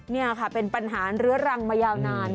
นี่ค่ะเป็นปัญหาเรื้อรังมายาวนาน